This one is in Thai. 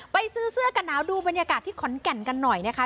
ไปซื้อเสื้อกันหนาวดูบรรยากาศที่ขอนแก่นกันหน่อยนะคะ